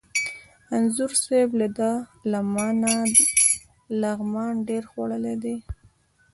انځور صاحب! ده له ما نه لغمان ډېر خوړلی دی.